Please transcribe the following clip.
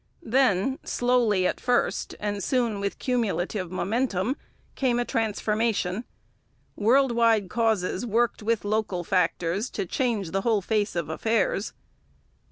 Then, slowly at first, and soon with cumulative momentum, came a transformation. World wide causes worked with local factors to change the whole face of affairs.